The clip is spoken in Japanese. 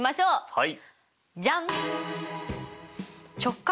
はい。